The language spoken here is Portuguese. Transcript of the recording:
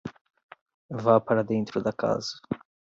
Vá para dentro da casa